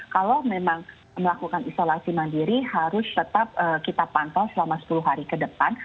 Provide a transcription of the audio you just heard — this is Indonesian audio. kalau memang melakukan isolasi mandiri harus tetap kita pantau selama sepuluh hari ke depan